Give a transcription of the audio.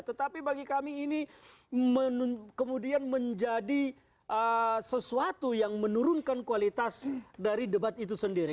tetapi bagi kami ini kemudian menjadi sesuatu yang menurunkan kualitas dari debat itu sendiri